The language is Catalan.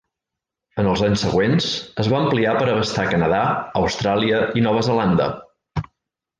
En els anys següents, es va ampliar per abastar Canadà, Austràlia i Nova Zelanda.